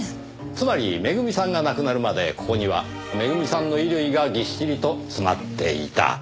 つまりめぐみさんが亡くなるまでここにはめぐみさんの衣類がぎっしりと詰まっていた。